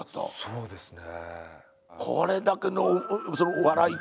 そうですね。